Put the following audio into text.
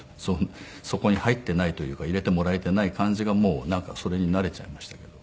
そこに入っていないというか入れてもらえていない感じがもうなんかそれに慣れちゃいましたけど。